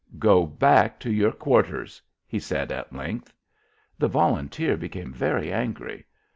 "Go back to your quarters," he said at length. The volunteer became very angry.